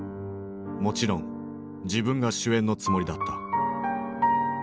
もちろん自分が主演のつもりだった。